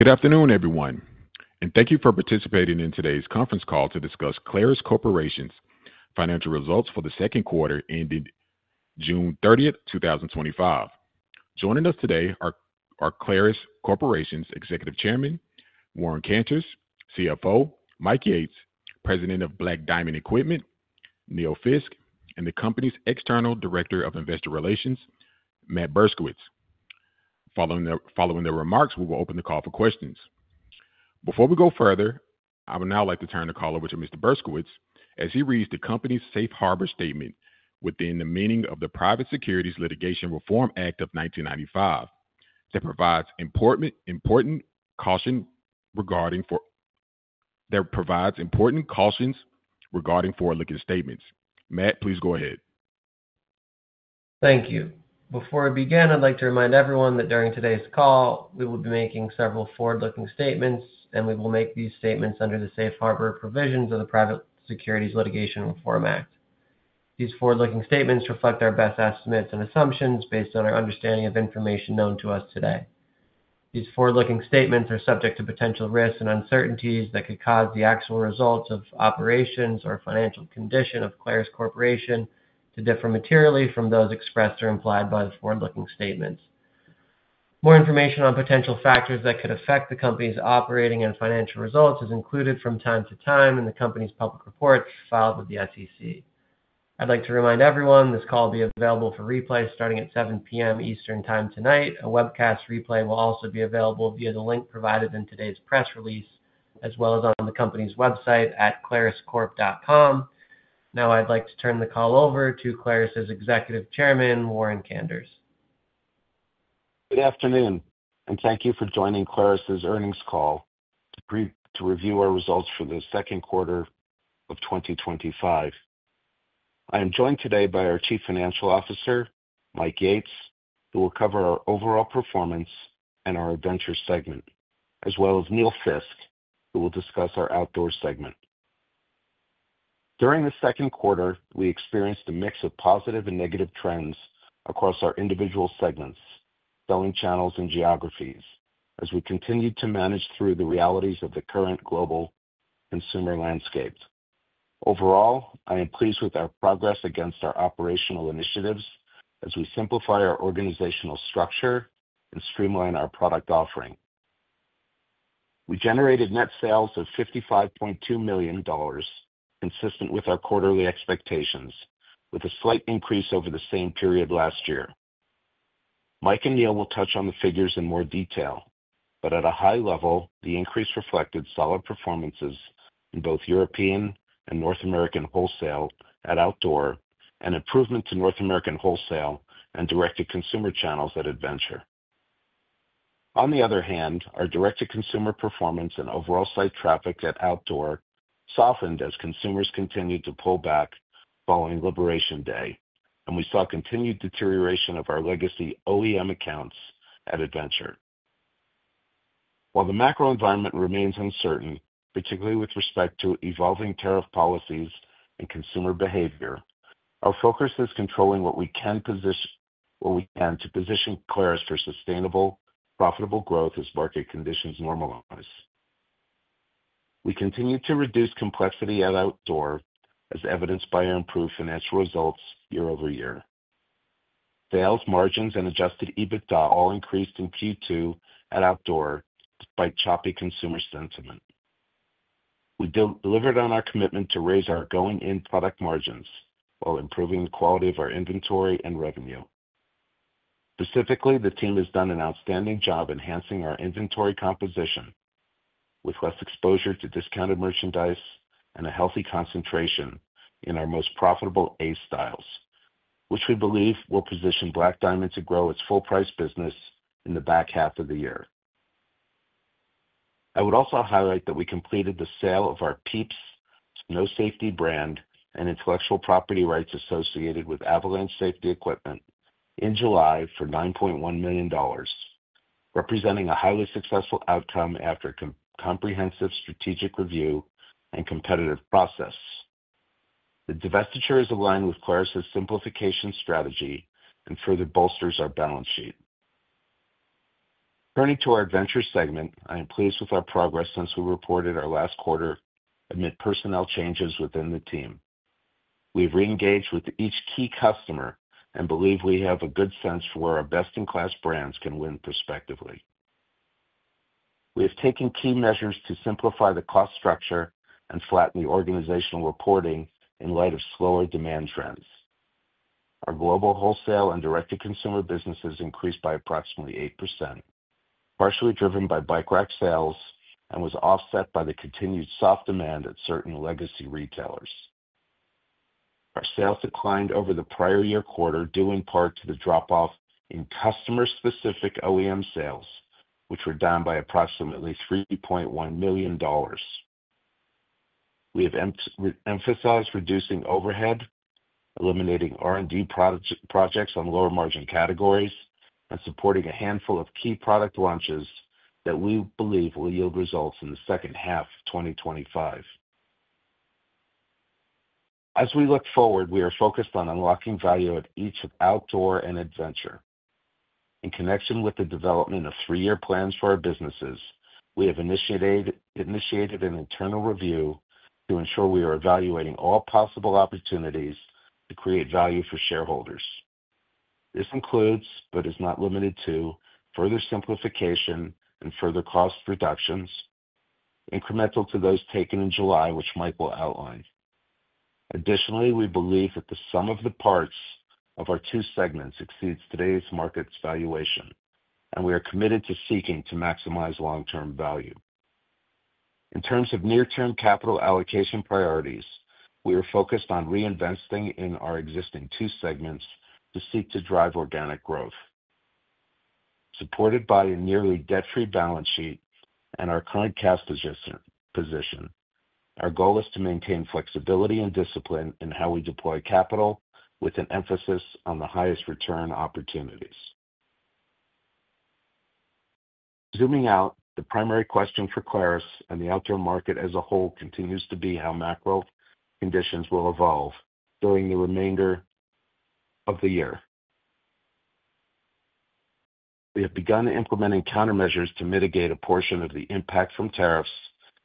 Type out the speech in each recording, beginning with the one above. Good afternoon, everyone, and thank you for participating in today's conference call to discuss Clarus Corporation's financial results for the second quarter ending June 30th, 2025. Joining us today are Clarus Corporation's Executive Chairman, Warren Kanders; Chief Financial Officer, Mike Yates; President of Black Diamond Equipment, Neil Fiske; and the company's External Director of Investor Relations, Matt Berkowitz. Following their remarks, we will open the call for questions. Before we go further, I would now like to turn the call over to Mr. Berkowitz, as he reads the company's Safe Harbor Statement within the meaning of the Private Securities Litigation Reform Act of 1995 that provides important cautions regarding forward-looking statements. Matt, please go ahead. Thank you. Before we begin, I'd like to remind everyone that during today's call, we will be making several forward-looking statements, and we will make these statements under the Safe Harbor provisions of the Private Securities Litigation Reform Act. These forward-looking statements reflect our best estimates and assumptions based on our understanding of information known to us today. These forward-looking statements are subject to potential risks and uncertainties that could cause the actual results of operations or financial condition of Clarus Corporation to differ materially from those expressed or implied by the forward-looking statements. More information on potential factors that could affect the company's operating and financial results is included from time to time in the company's public reports filed with the SEC. I'd like to remind everyone this call will be available for replay starting at 7:00 P.M. Eastern Time tonight. A webcast replay will also be available via the link provided in today's press release, as well as on the company's website at claruscorp.com. Now, I'd like to turn the call over to Clarus's Executive Chairman, Warren Kanders. Good afternoon, and thank you for joining Clarus Corporation's earnings call to review our results for the second quarter of 2025. I am joined today by our Chief Financial Officer, Mike Yates, who will cover our overall performance and our Adventure segment, as well as Neil Fiske, who will discuss our Outdoor segment. During the second quarter, we experienced a mix of positive and negative trends across our individual segments, selling channels, and geographies as we continued to manage through the realities of the current global consumer landscape. Overall, I am pleased with our progress against our operational initiatives as we simplify our organizational structure and streamline our product offering. We generated net sales of $55.2 million, consistent with our quarterly expectations, with a slight increase over the same period last year. Mike and Neil will touch on the figures in more detail, but at a high level, the increase reflected solid performances in both European and North American wholesale at Outdoor and improvements in North American wholesale and direct-to-consumer channels at Adventure. On the other hand, our direct-to-consumer performance and overall site traffic at Outdoor softened as consumers continued to pull back following Liberation Day, and we saw continued deterioration of our legacy OEM accounts at Adventure. While the macro environment remains uncertain, particularly with respect to evolving tariff policies and consumer behavior, our focus is controlling what we can to position Clarus Corporation for sustainable, profitable growth as market conditions normalize. We continue to reduce complexity at Outdoor, as evidenced by our improved financial results year-over-year. Sales, margins, and adjusted EBITDA all increased in Q2 at Outdoor despite choppy consumer sentiment. We delivered on our commitment to raise our going-in product margins while improving the quality of our inventory and revenue. Specifically, the team has done an outstanding job enhancing our inventory composition with less exposure to discounted merchandise and a healthy concentration in our most profitable A styles, which we believe will position Black Diamond Equipment to grow its full-price business in the back half of the year. I would also highlight that we completed the sale of our PIEPS Snow Safety brand and intellectual property rights associated with Avalanche Safety Equipment in July for $9.1 million, representing a highly successful outcome after a comprehensive strategic review and competitive process. The divestiture is aligned with Clarus's simplification strategy and further bolsters our balance sheet. Turning to our Adventure segment, I am pleased with our progress since we reported our last quarter amid personnel changes within the team. We've re-engaged with each key customer and believe we have a good sense for where our best-in-class brands can win prospectively. We have taken key measures to simplify the cost structure and flatten the organizational reporting in light of slower demand trends. Our global wholesale and direct-to-consumer businesses increased by approximately 8%, partially driven by bike rack sales, and was offset by the continued soft demand at certain legacy retailers. Our sales declined over the prior year quarter, due in part to the drop-off in customer-specific OEM sales, which were down by approximately $3.1 million. We have emphasized reducing overhead, eliminating R&D projects on lower margin categories, and supporting a handful of key product launches that we believe will yield results in the second half of 2025. As we look forward, we are focused on unlocking value at each Outdoor and Adventure. In connection with the development of three-year plans for our businesses, we have initiated an internal review to ensure we are evaluating all possible opportunities to create value for shareholders. This includes, but is not limited to, further simplification and further cost reductions incremental to those taken in July, which Mike will outline. Additionally, we believe that the sum of the parts of our two segments exceeds today's market valuation, and we are committed to seeking to maximize long-term value. In terms of near-term capital allocation priorities, we are focused on reinvesting in our existing two segments to seek to drive organic growth. Supported by a nearly debt-free balance sheet and our current cash position, our goal is to maintain flexibility and discipline in how we deploy capital with an emphasis on the highest return opportunities. Zooming out, the primary question for Clarus and the outdoor market as a whole continues to be how macro conditions will evolve during the remainder of the year. We have begun implementing countermeasures to mitigate a portion of the impact from tariffs,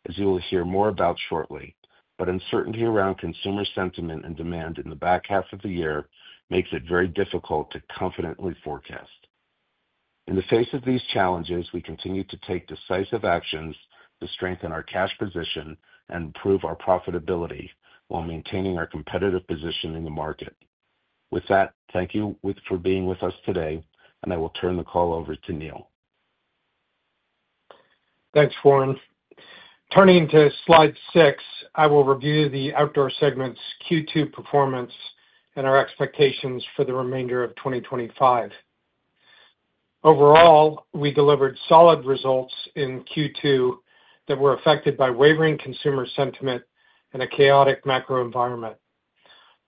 as you will hear more about shortly. Uncertainty around consumer sentiment and demand in the back half of the year makes it very difficult to confidently forecast. In the face of these challenges, we continue to take decisive actions to strengthen our cash position and improve our profitability while maintaining our competitive position in the market. With that, thank you for being with us today, and I will turn the call over to Neil. Thanks, Warren. Turning to slide six, I will review the Outdoor segment's Q2 performance and our expectations for the remainder of 2025. Overall, we delivered solid results in Q2 that were affected by wavering consumer sentiment and a chaotic macro environment.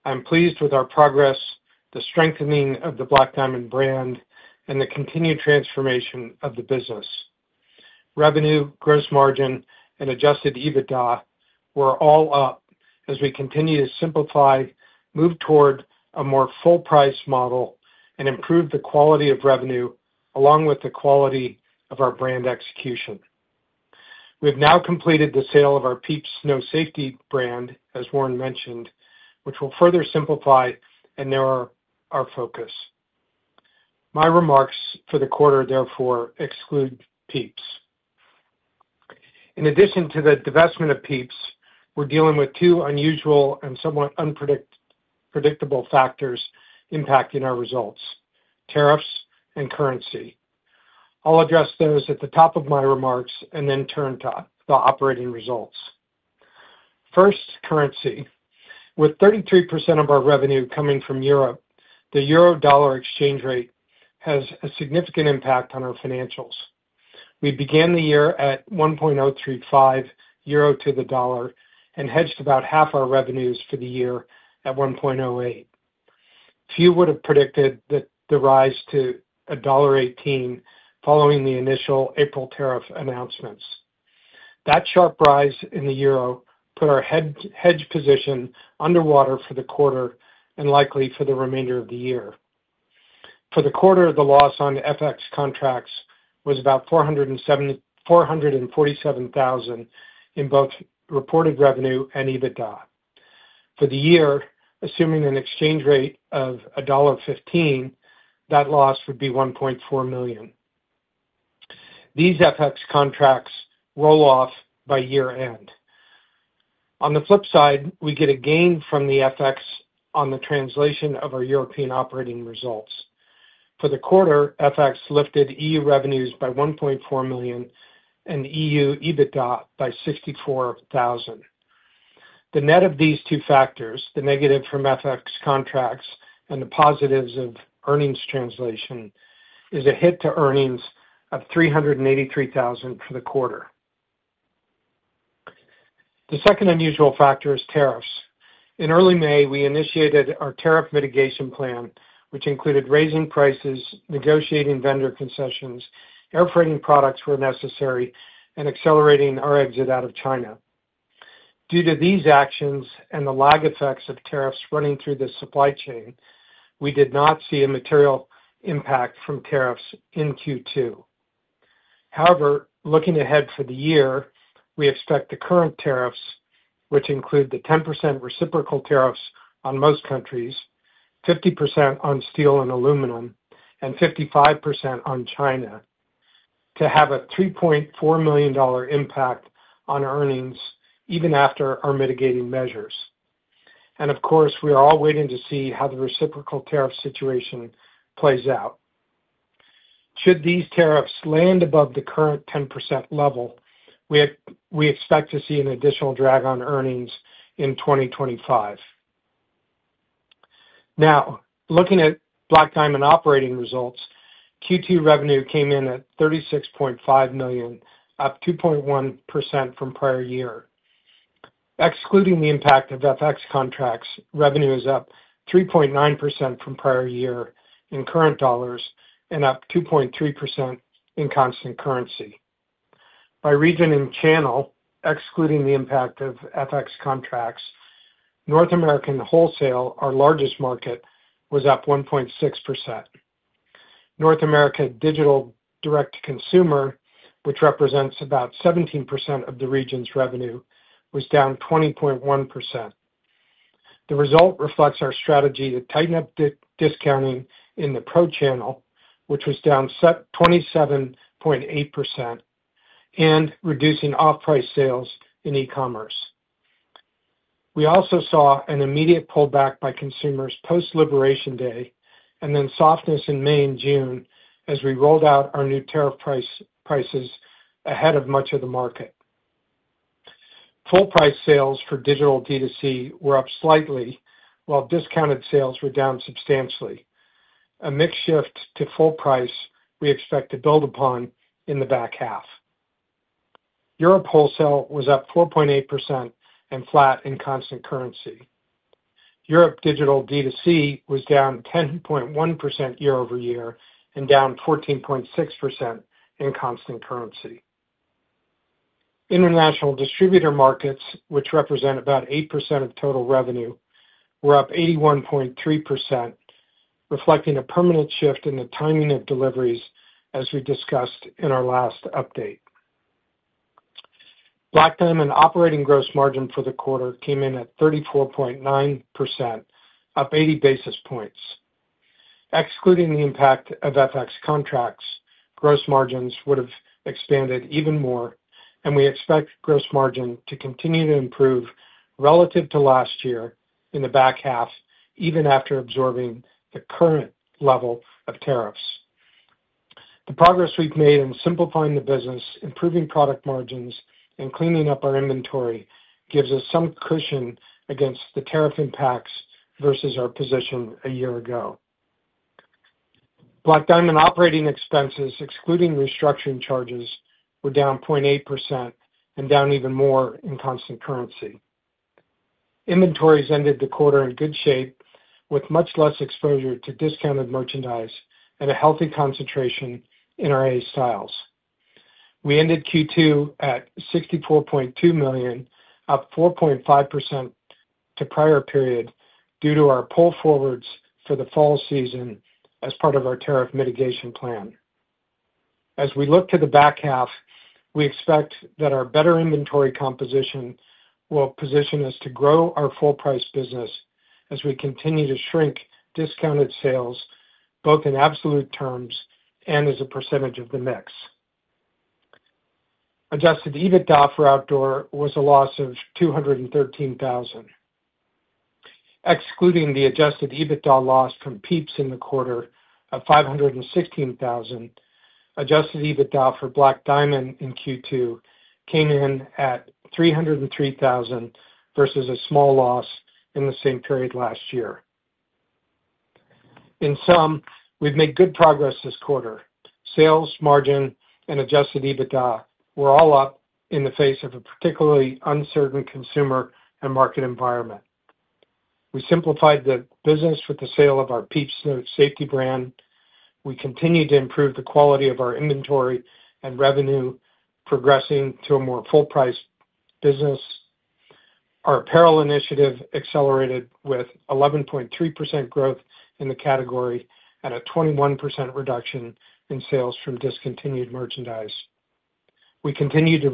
I'm pleased with our progress, the strengthening of the Black Diamond brand, and the continued transformation of the business. Revenue, gross margin, and adjusted EBITDA were all up as we continue to simplify, move toward a more full-price model, and improve the quality of revenue along with the quality of our brand execution. We've now completed the sale of our PIEPS Snow Safety brand, as Warren mentioned, which will further simplify and narrow our focus. My remarks for the quarter, therefore, exclude PIEPS. In addition to the divestment of PIEPS, we're dealing with two unusual and somewhat unpredictable factors impacting our results: tariffs and currency. I'll address those at the top of my remarks and then turn to the operating results. First, currency. With 33% of our revenue coming from Europe, the euro/dollar exchange rate has a significant impact on our financials. We began the year at 1.035 euro to the dollar and hedged about half our revenues for the year at 1.08. Few would have predicted the rise to $1.18 following the initial April tariff announcements. That sharp rise in the euro put our hedge position underwater for the quarter and likely for the remainder of the year. For the quarter, the loss on FX contracts was about $447,000 in both reported revenue and EBITDA. For the year, assuming an exchange rate of $1.15, that loss would be $1.4 million. These FX contracts roll off by year-end. On the flip side, we get a gain from the FX on the translation of our European operating results. For the quarter, FX lifted EU revenues by $1.4 million and EU EBITDA by $64,000. The net of these two factors, the negative from FX contracts and the positives of earnings translation, is a hit to earnings of $383,000 for the quarter. The second unusual factor is tariffs. In early May, we initiated our tariff mitigation plan, which included raising prices, negotiating vendor concessions, airfreighting products where necessary, and accelerating our exit out of China. Due to these actions and the lag effects of tariffs running through the supply chain, we did not see a material impact from tariffs in Q2. However, looking ahead for the year, we expect the current tariffs, which include the 10% reciprocal tariffs on most countries, 50% on steel and aluminum, and 55% on China, to have a $3.4 million impact on earnings even after our mitigating measures. Of course, we are all waiting to see how the reciprocal tariff situation plays out. Should these tariffs land above the current 10% level, we expect to see an additional drag on earnings in 2025. Now, looking at Black Diamond Equipment operating results, Q2 revenue came in at $36.5 million, up 2.1% from prior year. Excluding the impact of FX contracts, revenue is up 3.9% from prior year in current dollars and up 2.3% in constant currency. By region and channel, excluding the impact of FX contracts, North American wholesale, our largest market, was up 1.6%. North America digital direct to consumer, which represents about 17% of the region's revenue, was down 20.1%. The result reflects our strategy to tighten up discounting in the pro channel, which was down 27.8%, and reducing off-price sales in e-commerce. We also saw an immediate pullback by consumers post-Liberation Day and then softness in May and June as we rolled out our new tariff prices ahead of much of the market. Full-price sales for digital D2C were up slightly, while discounted sales were down substantially. A mix shift to full price we expect to build upon in the back half. Europe wholesale was up 4.8% and flat in constant currency. Europe digital D2C was down 10.1% year-over-year and down 14.6% in constant currency. International distributor markets, which represent about 8% of total revenue, were up 81.3%, reflecting a permanent shift in the timing of deliveries as we discussed in our last update. Black Diamond Equipment operating gross margin for the quarter came in at 34.9%, up 80 basis points. Excluding the impact of FX contracts, gross margins would have expanded even more, and we expect gross margin to continue to improve relative to last year in the back half, even after absorbing the current level of tariffs. The progress we've made in simplifying the business, improving product margins, and cleaning up our inventory gives us some cushion against the tariff impacts versus our position a year ago. Black Diamond Equipment operating expenses, excluding restructuring charges, were down 0.8% and down even more in constant currency. Inventories ended the quarter in good shape, with much less exposure to discounted merchandise and a healthy concentration in our A styles. We ended Q2 at $64.2 million, up 4.5% to prior period due to our pull forwards for the fall season as part of our tariff mitigation plan. As we look to the back half, we expect that our better inventory composition will position us to grow our full-price business as we continue to shrink discounted sales both in absolute terms and as a percentage of the mix. Adjusted EBITDA for Outdoor was a loss of $213,000. Excluding the adjusted EBITDA loss from PIEPS Snow Safety in the quarter of $516,000, adjusted EBITDA for Black Diamond Equipment in Q2 came in at $303,000 versus a small loss in the same period last year. In sum, we've made good progress this quarter. Sales, margin, and adjusted EBITDA were all up in the face of a particularly uncertain consumer and market environment. We simplified the business with the sale of our PIEPS Snow Safety brand. We continued to improve the quality of our inventory and revenue, progressing to a more full-priced business. Our apparel initiative accelerated with 11.3% growth in the category and a 21% reduction in sales from discontinued merchandise. We continue to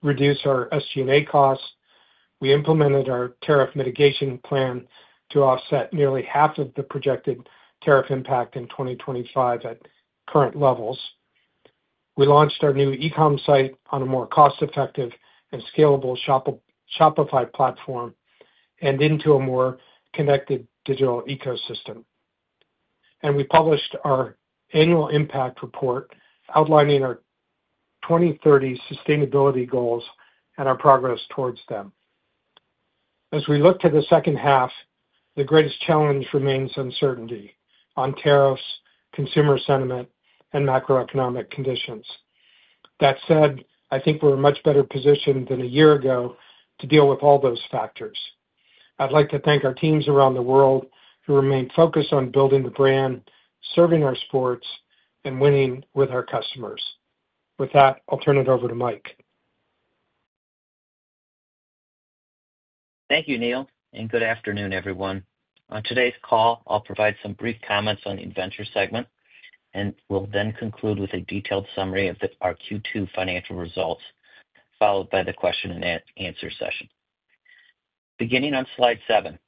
reduce our SG&A costs. We implemented our tariff mitigation plan to offset nearly half of the projected tariff impact in 2025 at current levels. We launched our new e-comm site on a more cost-effective and scalable Shopify platform and into a more connected digital ecosystem. We published our annual impact report outlining our 2030 sustainability goals and our progress towards them. As we look to the second half, the greatest challenge remains uncertainty on tariffs, consumer sentiment, and macroeconomic conditions. That said, I think we're in a much better position than a year ago to deal with all those factors. I'd like to thank our teams around the world who remain focused on building the brand, serving our sports, and winning with our customers. With that, I'll turn it over to Mike. Thank you, Neil, and good afternoon, everyone. On today's call, I'll provide some brief comments on the Adventure segment, and we'll then conclude with a detailed summary of our Q2 financial results, followed by the question-and-answer session. Beginning on slide seven,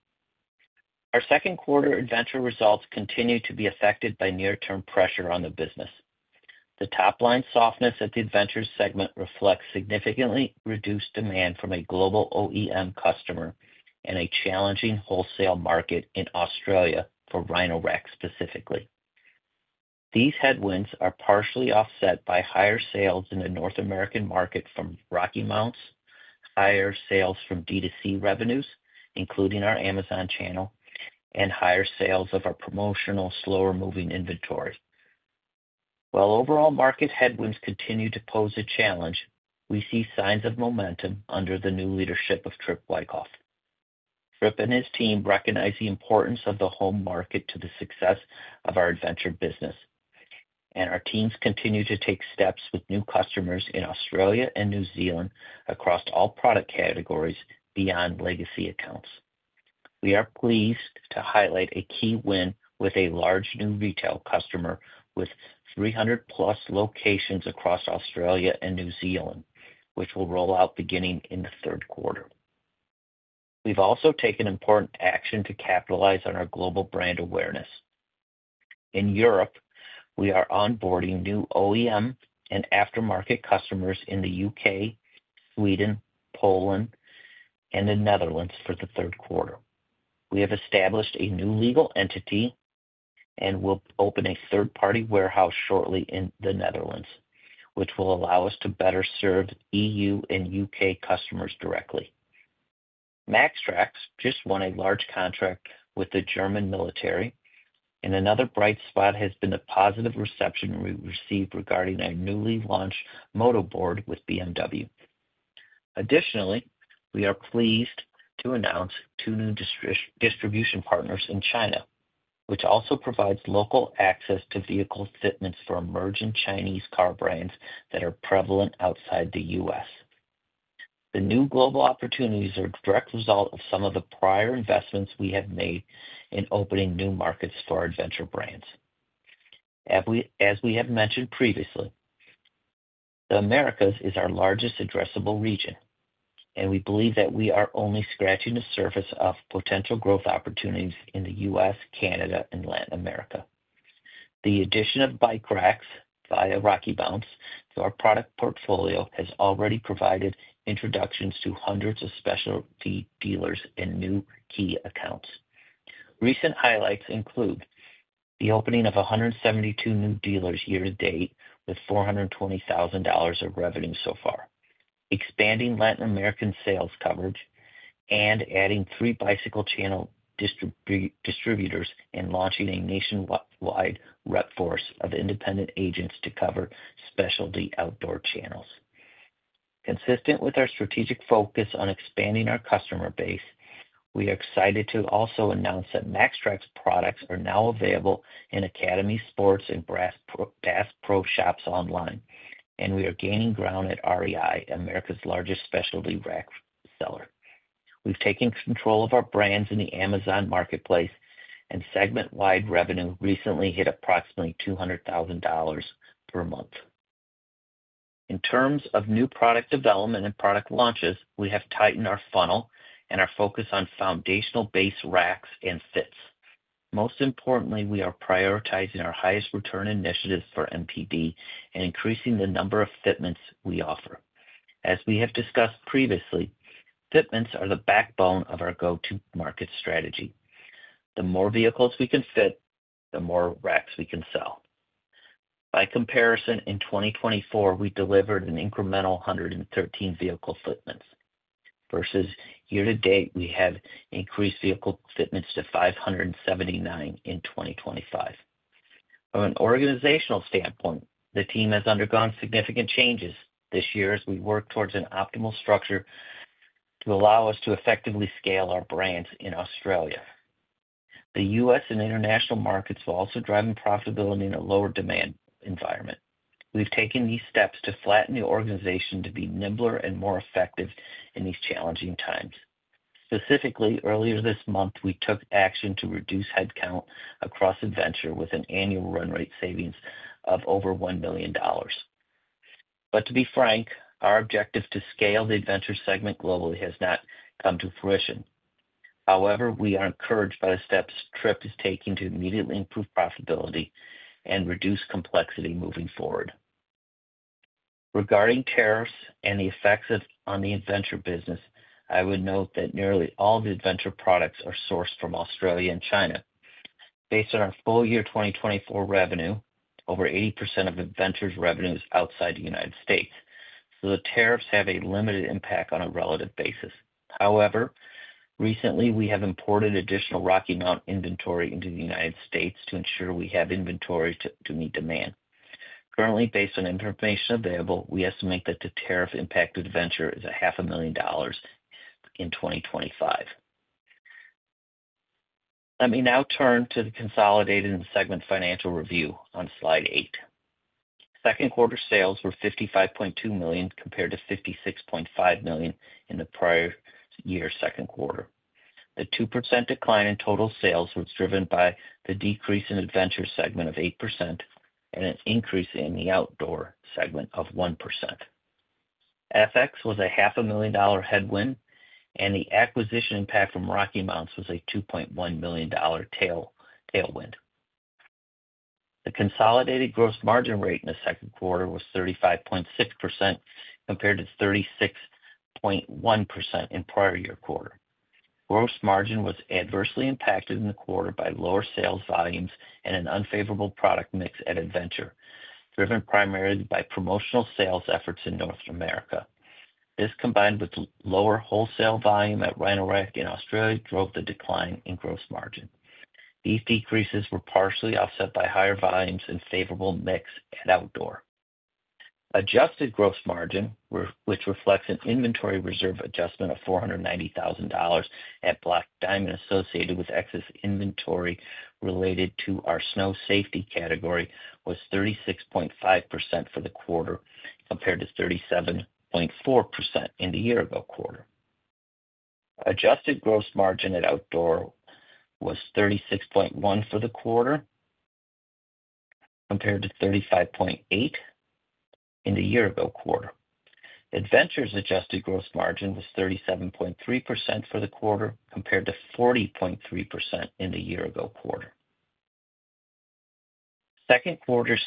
our second quarter Adventure results continue to be affected by near-term pressure on the business. The top line softness at the Adventure segment reflects significantly reduced demand from a global OEM customer and a challenging wholesale market in Australia for MAXTRAX specifically. These headwinds are partially offset by higher sales in the North American market from RockyMounts, higher sales from D2C revenues, including our Amazon channel, and higher sales of our promotional slower moving inventory. While overall market headwinds continue to pose a challenge, we see signs of momentum under the new leadership of Tripp Wyckoff. Tripp and his team recognize the importance of the home market to the success of our Adventure business, and our teams continue to take steps with new customers in Australia and New Zealand across all product categories beyond legacy accounts. We are pleased to highlight a key win with a large new retail customer with 300+ locations across Australia and New Zealand, which will roll out beginning in the third quarter. We've also taken important action to capitalize on our global brand awareness. In Europe, we are onboarding new OEM and aftermarket customers in the U.K., Sweden, Poland, and the Netherlands for the third quarter. We have established a new legal entity and will open a third-party warehouse shortly in the Netherlands, which will allow us to better serve EU and U.K. customers directly. MAXTRAX just won a large contract with the German military, and another bright spot has been the positive reception we received regarding their newly launched motor board with BMW. Additionally, we are pleased to announce two new distribution partners in China, which also provides local access to vehicle fitments for emerging Chinese car brands that are prevalent outside the U.S. The new global opportunities are a direct result of some of the prior investments we have made in opening new markets for our Adventure brands. As we have mentioned previously, the Americas is our largest addressable region, and we believe that we are only scratching the surface of potential growth opportunities in the U.S., Canada, and Latin America. The addition of bike racks via RockyMounts to our product portfolio has already provided introductions to hundreds of specialty dealers and new key accounts. Recent highlights include the opening of 172 new dealers year to date with $420,000 of revenue so far, expanding Latin American sales coverage, and adding three bicycle channel distributors and launching a nationwide rep force of independent agents to cover specialty outdoor channels. Consistent with our strategic focus on expanding our customer base, we are excited to also announce that MAXTRAX products are now available in Academy Sports and Bass Pro Shops online, and we are gaining ground at REI, America's largest specialty rack seller. We've taken control of our brands in the Amazon marketplace, and segment-wide revenue recently hit approximately $200,000 per month. In terms of new product development and product launches, we have tightened our funnel and our focus on foundational base racks and fits. Most importantly, we are prioritizing our highest return initiatives for MPD and increasing the number of fitments we offer. As we have discussed previously, fitments are the backbone of our go-to-market strategy. The more vehicles we can fit, the more racks we can sell. By comparison, in 2024, we delivered an incremental 113 vehicle fitments versus year to date, we have increased vehicle fitments to 579 in 2025. From an organizational standpoint, the team has undergone significant changes this year as we work towards an optimal structure to allow us to effectively scale our brands in Australia. The U.S. and international markets will also drive profitability in a lower demand environment. We've taken these steps to flatten the organization to be nimbler and more effective in these challenging times. Specifically, earlier this month, we took action to reduce headcount across Adventure with an annual run rate savings of over $1 million. To be frank, our objective to scale the Adventure segment globally has not come to fruition. However, we are encouraged by the steps Tripp is taking to immediately improve profitability and reduce complexity moving forward. Regarding tariffs and the effects on the Adventure business, I would note that nearly all the Adventure products are sourced from Australia and China. Based on our full year 2024 revenue, over 80% of Adventure's revenue is outside the United States, so the tariffs have a limited impact on a relative basis. However, recently we have imported additional RockyMounts inventory into the United States to ensure we have inventory to meet demand. Currently, based on information available, we estimate that the tariff impact to Adventure is $0.5 million in 2025. Let me now turn to the consolidated and segment financial review on slide eight. Second quarter sales were $55.2 million compared to $56.5 million in the prior year's second quarter. The 2% decline in total sales was driven by the decrease in the Adventure segment of 8% and an increase in the Outdoor segment of 1%. FX was a $0.5 million headwind, and the acquisition impact from RockyMounts was a $2.1 million tailwind. The consolidated gross margin rate in the second quarter was 35.6% compared to 36.1% in the prior year quarter. Gross margin was adversely impacted in the quarter by lower sales volumes and an unfavorable product mix at Adventure, driven primarily by promotional sales efforts in North America. This, combined with lower wholesale volume at Rhino-Rack in Australia, drove the decline in gross margin. These decreases were partially offset by higher volumes and favorable mix at Outdoor. Adjusted gross margin, which reflects an inventory reserve adjustment of $490,000 at Black Diamond Equipment associated with excess inventory related to our snow safety category, was 36.5% for the quarter compared to 37.4% in the year-ago quarter. Adjusted gross margin at Outdoor was 36.1% for the quarter compared to 35.8% in the year-ago quarter. Adventure's adjusted gross margin was 37.3% for the quarter compared to 40.3% in the year-ago quarter. Second quarter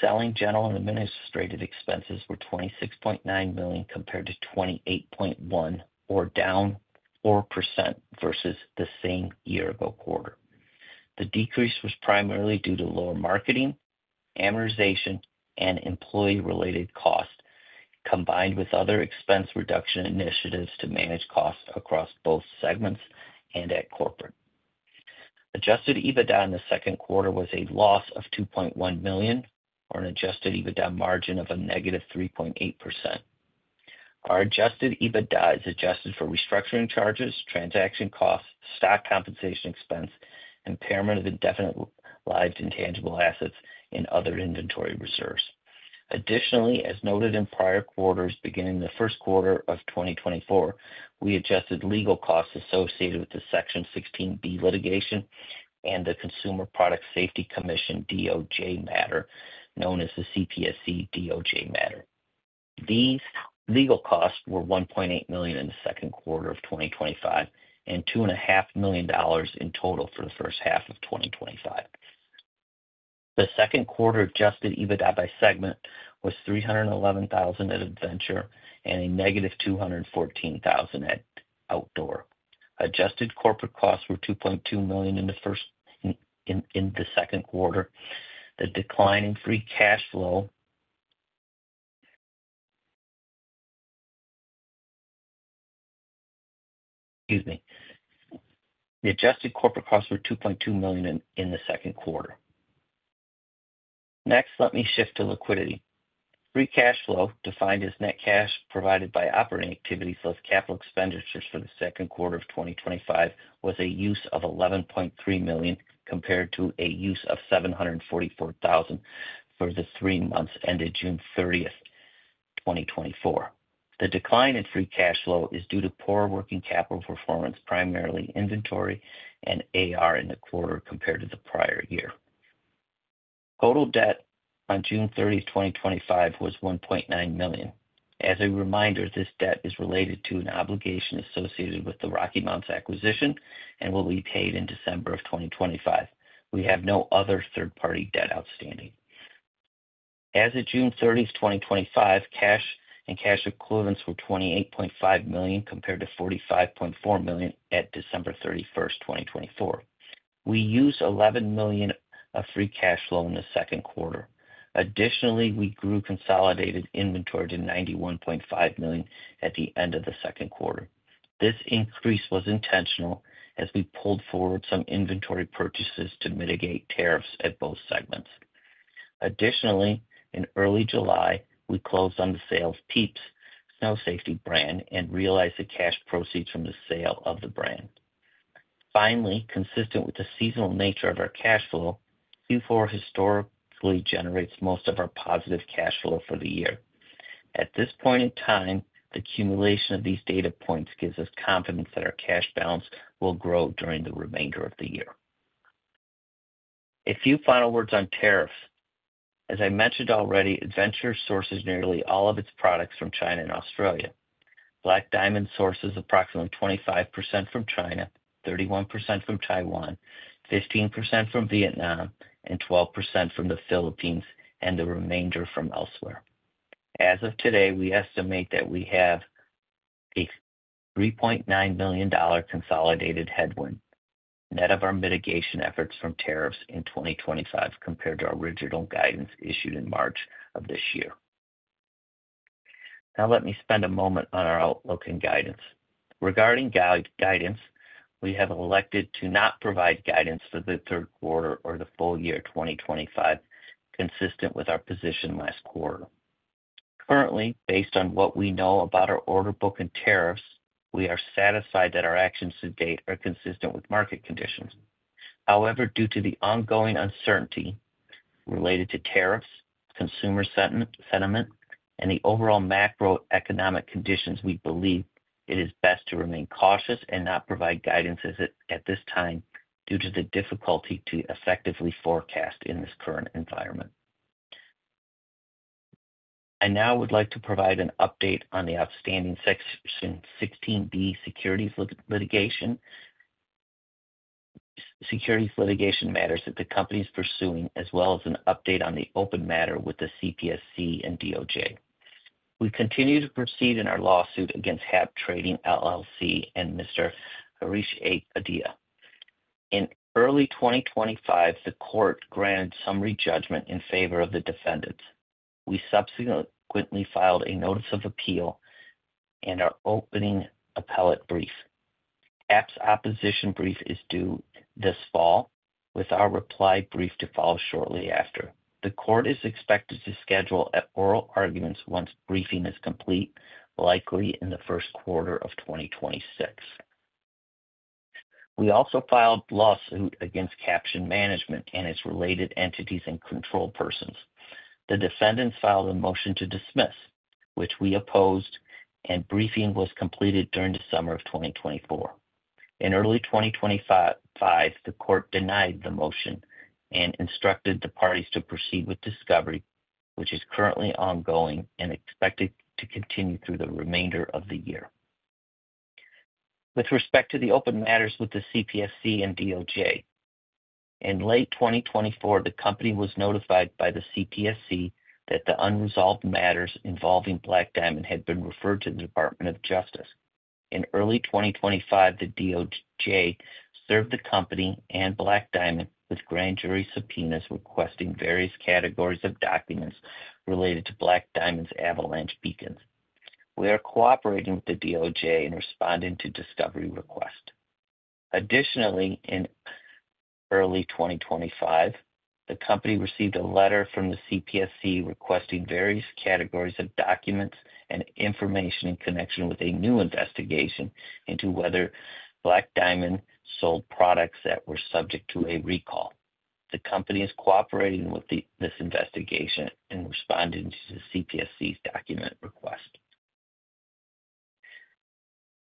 selling, general and administrative expenses were $26.9 million compared to $28.1 million, or down 4% versus the same year-ago quarter. The decrease was primarily due to lower marketing, amortization, and employee-related costs, combined with other expense reduction initiatives to manage costs across both segments and at corporate. Adjusted EBITDA in the second quarter was a loss of $2.1 million or an adjusted EBITDA margin of a -3.8%. Our adjusted EBITDA is adjusted for restructuring charges, transaction costs, stock compensation expense, impairment of indefinite lives and tangible assets, and other inventory reserves. Additionally, as noted in prior quarters beginning the first quarter of 2024, we adjusted legal costs associated with the Section 16B litigation and the Consumer Product Safety Commission DOJ matter, known as the CPSC DOJ matter. These legal costs were $1.8 million in the second quarter of 2025 and $2.5 million in total for the first half of 2025. The second quarter adjusted EBITDA by segment was $311,000 at Adventure and a -$214,000 at Outdoor. Adjusted corporate costs were $2.2 million in the second quarter. The decline in free cash flow... Excuse me. The adjusted corporate costs were $2.2 million in the second quarter. Next, let me shift to liquidity. Free cash flow, defined as net cash provided by operating activities plus capital expenditures for the second quarter of 2025, was a use of $11.3 million compared to a use of $744,000 for the three months ended June 30th, 2024. The decline in free cash flow is due to poor working capital performance, primarily inventory and AR in the quarter compared to the prior year. Total debt on June 30th, 2025 was $1.9 million. As a reminder, this debt is related to an obligation associated with the RockyMounts acquisition and will be paid in December of 2025. We have no other third-party debt outstanding. As of June 30th, 2025, cash and cash equivalents were $28.5 million compared to $45.4 million at December 31, 2024. We used $11 million of free cash flow in the second quarter. Additionally, we grew consolidated inventory to $91.5 million at the end of the second quarter. This increase was intentional as we pulled forward some inventory purchases to mitigate tariffs at both segments. Additionally, in early July, we closed on the sale of the PIEPS Snow Safety brand and realized the cash proceeds from the sale of the brand. Finally, consistent with the seasonal nature of our cash flow, Q4 historically generates most of our positive cash flow for the year. At this point in time, the accumulation of these data points gives us confidence that our cash balance will grow during the remainder of the year. A few final words on tariffs. As I mentioned already, Adventure sources nearly all of its products from China and Australia. Black Diamond Equipment sources approximately 25% from China, 31% from Taiwan, 15% from Vietnam, and 12% from the Philippines, and the remainder from elsewhere. As of today, we estimate that we have a $3.9 million consolidated headwind, net of our mitigation efforts from tariffs in 2025 compared to our original guidance issued in March of this year. Now, let me spend a moment on our outlook and guidance. Regarding guidance, we have elected to not provide guidance for the third quarter or the full year 2025, consistent with our position last quarter. Currently, based on what we know about our order book and tariffs, we are satisfied that our actions to date are consistent with market conditions. However, due to the ongoing uncertainty related to tariffs, consumer sentiment, and the overall macroeconomic conditions, we believe it is best to remain cautious and not provide guidance at this time due to the difficulty to effectively forecast in this current environment. I now would like to provide an update on the outstanding Section 16B securities litigation, securities litigation matters that the company is pursuing, as well as an update on the open matter with the CPSC and DOJ. We continue to proceed in our lawsuit against Hab Trading LLC and Mr. Harish A. Padilla. In early 2025, the court granted summary judgment in favor of the defendants. We subsequently filed a notice of appeal and are opening appellate briefs. Hab's opposition brief is due this fall, with our reply brief to follow shortly after. The court is expected to schedule oral arguments once briefing is complete, likely in the first quarter of 2026. We also filed a lawsuit against Caption Management and its related entities and control persons. The defendants filed a motion to dismiss, which we opposed, and briefing was completed during the summer of 2024. In early 2025, the court denied the motion and instructed the parties to proceed with discovery, which is currently ongoing and expected to continue through the remainder of the year. With respect to the open matters with the CPSC and DOJ, in late 2024, the company was notified by the CPSC that the unresolved matters involving Black Diamond Equipment had been referred to the DOJ. In early 2025, the DOJ served the company and Black Diamond Equipment with grand jury subpoenas requesting various categories of documents related to Black Diamond Equipment's Avalanche Beacons. We are cooperating with the DOJ in responding to discovery requests. Additionally, in early 2025, the company received a letter from the CPSC requesting various categories of documents and information in connection with a new investigation into whether Black Diamond Equipment sold products that were subject to a recall. The company is cooperating with this investigation and responding to the CPSC's document request.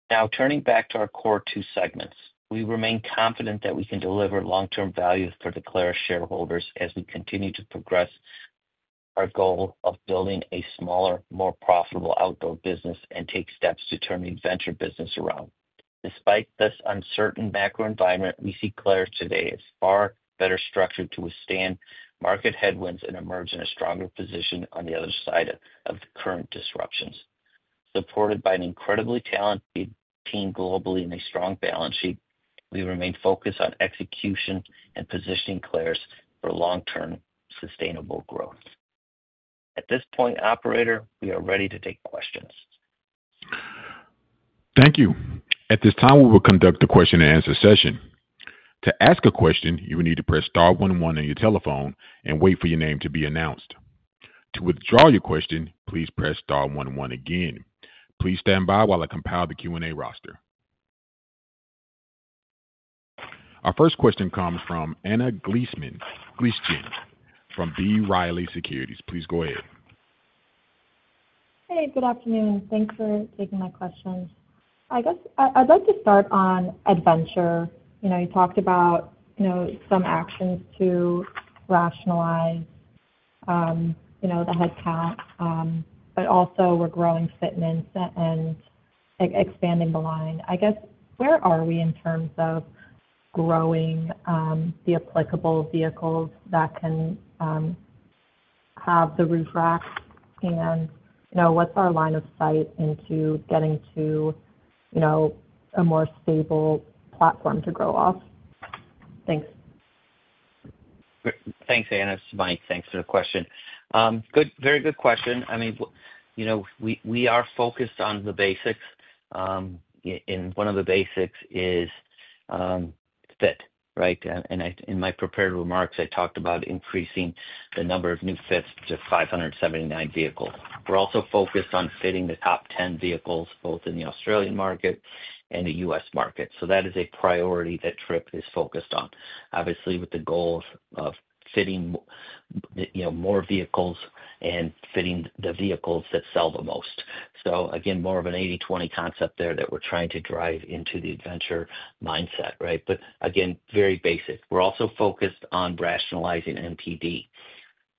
Now, turning back to our core two segments, we remain confident that we can deliver long-term value for the Clarus shareholders as we continue to progress our goal of building a smaller, more profitable outdoor business and take steps to turn the adventure business around. Despite this uncertain macro environment, we see Clarus today as far better structured to withstand market headwinds and emerge in a stronger position on the other side of the current disruptions. Supported by an incredibly talented team globally and a strong balance sheet, we remain focused on execution and positioning Clarus for long-term sustainable growth. At this point, operator, we are ready to take questions. Thank you. At this time, we will conduct the question-and-answer session. To ask a question, you will need to press star one-one on your telephone and wait for your name to be announced. To withdraw your question, please press star one-one again. Please stand by while I compile the Q&A roster. Our first question comes from Anna Glaessgen from B. Riley Securities. Please go ahead. Hey, good afternoon. Thanks for taking my question. I guess I'd like to start on Adventure. You talked about some actions to rationalize the headcount, but also we're growing fitness and expanding the line. I guess where are we in terms of growing the applicable vehicles that can have the refracts, and what's our line of sight into getting to a more stable platform to grow off? Thanks. Thanks, Anna. This is Mike. Thanks for the question. Very good question. I mean, you know, we are focused on the basics. One of the basics is fit, right? In my prepared remarks, I talked about increasing the number of new fits to 579 vehicles. We're also focused on fitting the top 10 vehicles both in the Australian market and the U.S. market. That is a priority that Tripp is focused on, obviously, with the goals of fitting more vehicles and fitting the vehicles that sell the most. More of an 80/20 concept there that we're trying to drive into the Adventure mindset, right? Very basic. We're also focused on rationalizing NPD.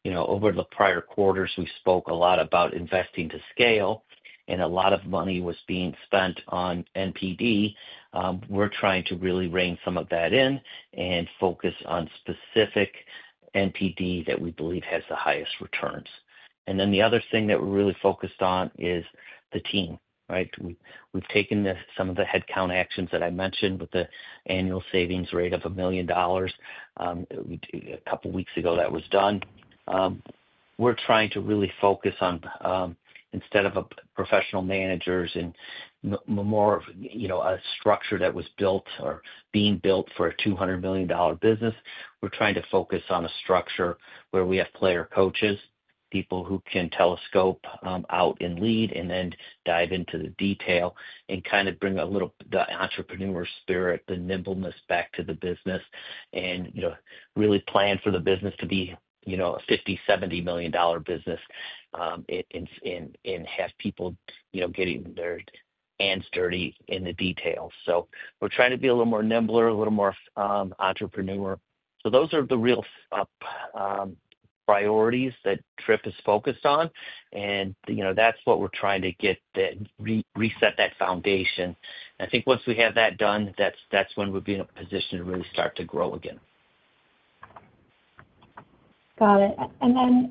Over the prior quarters, we spoke a lot about investing to scale, and a lot of money was being spent on NPD. We're trying to really rein some of that in and focus on specific NPD that we believe has the highest returns. The other thing that we're really focused on is the team, right? We've taken some of the headcount actions that I mentioned with the annual savings rate of $1 million. A couple of weeks ago, that was done. We're trying to really focus on, instead of professional managers and more, you know, a structure that was built or being built for a $200 million business, we're trying to focus on a structure where we have player coaches, people who can telescope out and lead and then dive into the detail and kind of bring a little of the entrepreneur spirit, the nimbleness back to the business and really plan for the business to be a $50 million-$70 million business and have people getting their hands dirty in the details. We're trying to be a little more nimble, a little more entrepreneur. Those are the real priorities that Tripp is focused on. That's what we're trying to get, that reset, that foundation. I think once we have that done, that's when we'll be in a position to really start to grow again. Got it.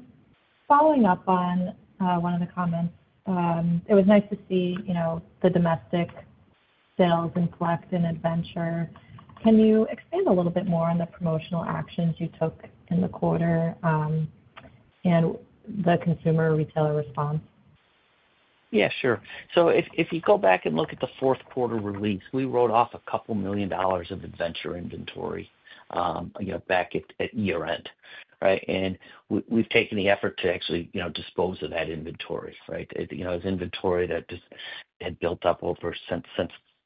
Following up on one of the comments, it was nice to see, you know, the domestic sales and collect in Adventure. Can you expand a little bit more on the promotional actions you took in the quarter and the consumer retailer response? Yeah, sure. If you go back and look at the fourth quarter release, we wrote off a couple million dollars of Adventure inventory back at year-end, right? We've taken the effort to actually dispose of that inventory. It's inventory that just had built up since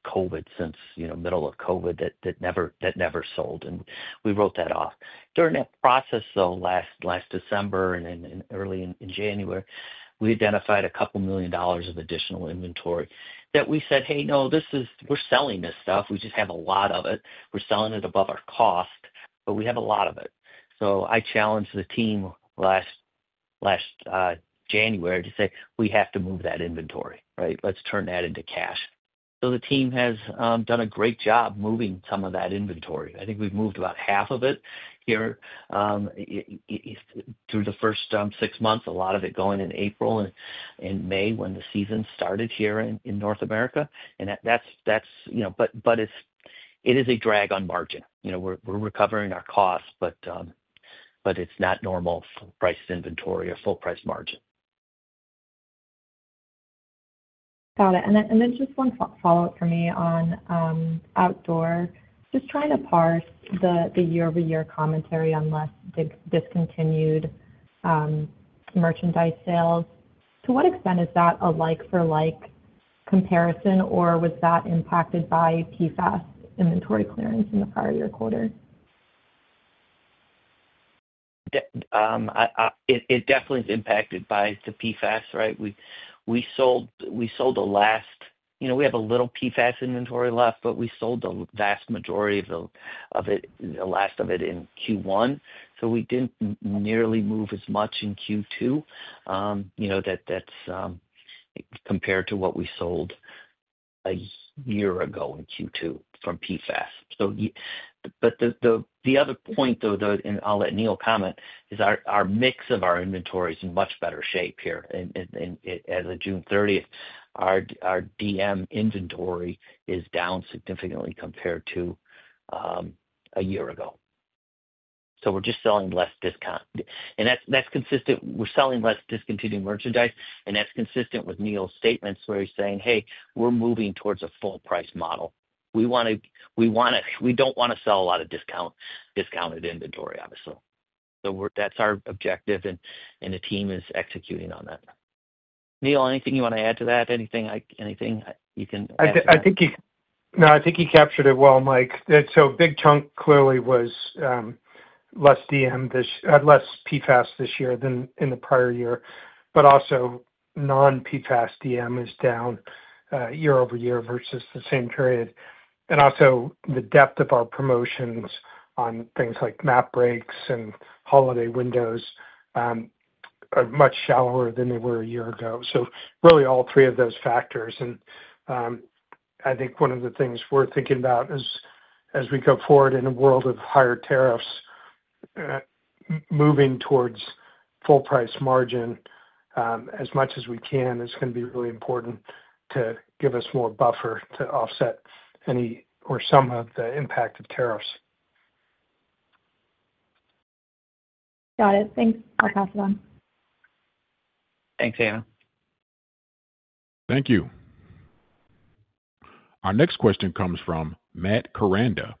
COVID, since the middle of COVID that never sold, and we wrote that off. During that process, last December and early in January, we identified a couple million dollars of additional inventory that we said, "Hey, no, we're selling this stuff. We just have a lot of it. We're selling it above our cost, but we have a lot of it." I challenged the team last January to say, "We have to move that inventory, right? Let's turn that into cash." The team has done a great job moving some of that inventory. I think we've moved about half of it here through the first six months, a lot of it going in April and in May when the season started here in North America. It's a drag on margin. We're recovering our costs, but it's not normal priced inventory or full price margin. Got it. Just one follow-up for me on outdoor. Just trying to parse the year-over-year commentary on less discontinued merchandise sales. To what extent is that a like-for-like comparison, or was that impacted by PFAS inventory clearance in the prior year quarter? It definitely is impacted by the PFAS, right? We sold the last, you know, we have a little PFAS inventory left, but we sold the vast majority of the last of it in Q1. We didn't nearly move as much in Q2. That's compared to what we sold a year ago in Q2 from PFAS. The other point, though, and I'll let Neil comment, is our mix of our inventory is in much better shape here. As of June 30th, our DM inventory is down significantly compared to a year ago. We're just selling less discount, and that's consistent. We're selling less discontinued merchandise, and that's consistent with Neil's statements where he's saying, "Hey, we're moving towards a full-price model. We want to, we want to, we don't want to sell a lot of discounted inventory, obviously." That's our objective, and the team is executing on that. Neil, anything you want to add to that? Anything you can add? No, I think you captured it well, Mike. A big chunk clearly was less PFAS this year than in the prior year. Also, non-PFAS DM is down year-over-year versus the same period. The depth of our promotions on things like map breaks and holiday windows are much shallower than they were a year ago. Really, all three of those factors. One of the things we're thinking about is as we go forward in a world of higher tariffs, moving towards full price margin as much as we can is going to be really important to give us more buffer to offset any or some of the impact of tariffs. Got it. Thanks. I'll pass it on. Thanks, Anna. Thank you. Our next question comes from Matt Koranda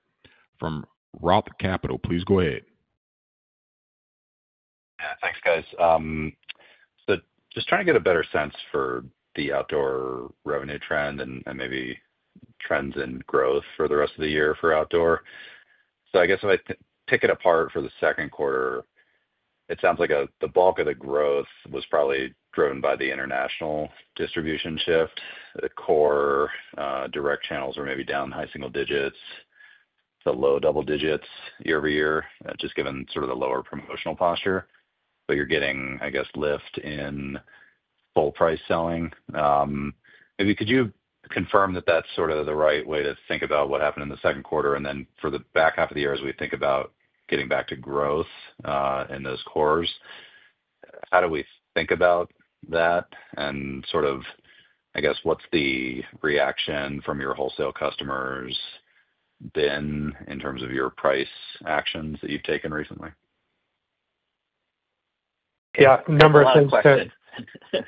from ROTH Capital. Please go ahead. Yeah, thanks, guys. Just trying to get a better sense for the outdoor revenue trend and maybe trends in growth for the rest of the year for outdoor. I guess if I take it apart for the second quarter, it sounds like the bulk of the growth was probably driven by the international distribution shift. The core direct channels were maybe down in high single digits to low double digits year-over-year, just given sort of the lower promotional posture. You're getting, I guess, lift in full price selling. Maybe could you confirm that that's sort of the right way to think about what happened in the second quarter? For the back half of the year, as we think about getting back to growth in those cores, how do we think about that? What's the reaction from your wholesale customers been in terms of your price actions that you've taken recently? Yeah, a number of things.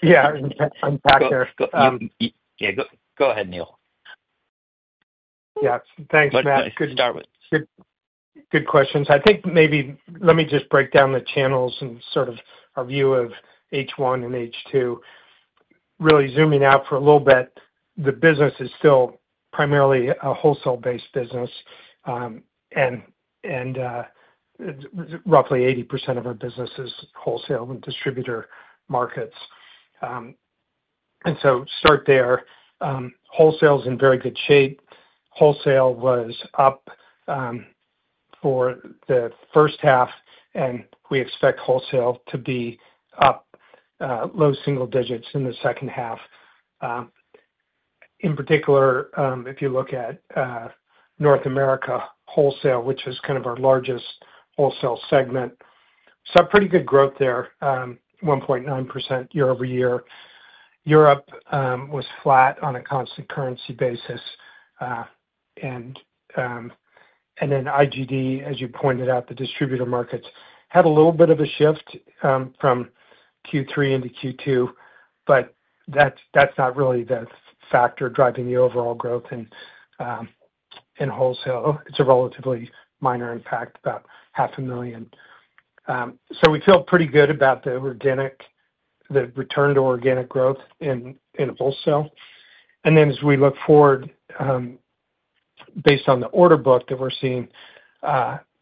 Yeah, I was going to unpack there. Go ahead, Neil. Yeah, thanks, Matt. Good questions. I think maybe let me just break down the channels and sort of our view of H1 and H2. Really zooming out for a little bit, the business is still primarily a wholesale-based business. Roughly 80% of our business is wholesale and distributor markets. Start there. Wholesale is in very good shape. Wholesale was up for the first half, and we expect wholesale to be up low single digits in the second half. In particular, if you look at North America wholesale, which is kind of our largest wholesale segment, saw pretty good growth there, 1.9% year-over-year. Europe was flat on a constant currency basis. IGD, as you pointed out, the distributor markets had a little bit of a shift from Q3 into Q2, but that's not really the factor driving the overall growth in wholesale. It's a relatively minor impact, about $0.5 million. We feel pretty good about the return to organic growth in wholesale. As we look forward, based on the order book that we're seeing,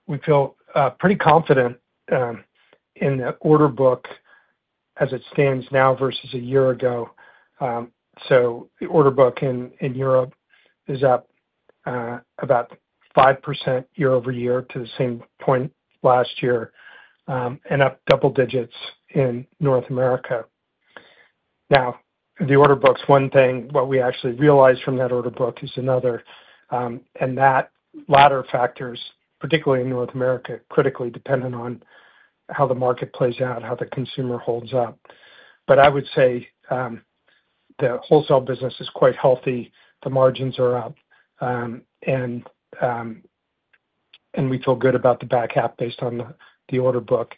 we feel pretty confident in the order book as it stands now versus a year ago. The order book in Europe is up about 5% year-over-year to the same point last year, and up double digits in North America. The order book's one thing. What we actually realized from that order book is another. That latter factors, particularly in North America, are critically dependent on how the market plays out, how the consumer holds up. I would say the wholesale business is quite healthy. The margins are up. We feel good about the back half based on the order book.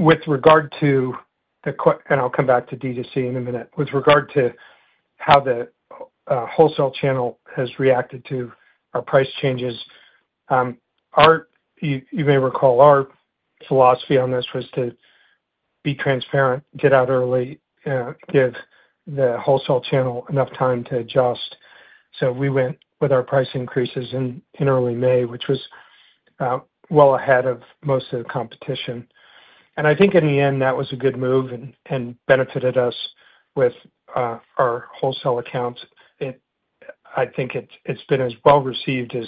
With regard to the, and I'll come back to D2C in a minute, with regard to how the wholesale channel has reacted to our price changes, you may recall our philosophy on this was to be transparent, get out early, and give the wholesale channel enough time to adjust. We went with our price increases in early May, which was well ahead of most of the competition. I think in the end, that was a good move and benefited us with our wholesale accounts. I think it's been as well received as